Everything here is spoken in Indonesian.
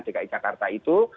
dari jakarta itu